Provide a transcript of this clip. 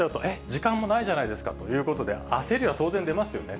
時間もないじゃないですかということで、焦りは当然出ますよね。